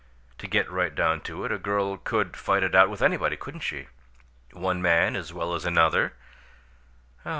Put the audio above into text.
To get right down to it, a girl could fight it out with anybody, couldn't she? One man as well as another?"